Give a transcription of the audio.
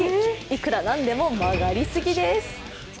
いくらなんでも曲がりすぎです。